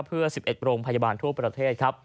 เพื่อ๑๑โรงพยาบาลทั่วประเทศครับ